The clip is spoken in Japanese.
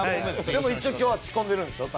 でも一応今日は仕込んでるんでしょ？